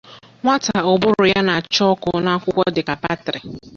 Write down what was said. Nwata ụbụrụ ya na-acha ọkụ n’akwụkwọ dịka baatịrị